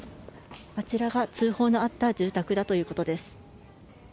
あちらが通報のあった住宅だということです。